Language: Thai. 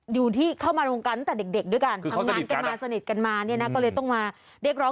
อยู่ที่เข้ามาลงกันตั้งแต่เด็กด้วยกันทำงานสนิทกันมาก็เลยต้องมาเด็กร้อง